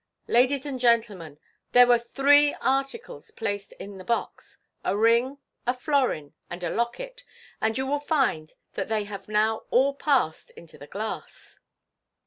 " Ladies and gentlemen, there were three articles placed in the box, a ring, a florin, and a locket, and you will find that they have now all passed into the glass."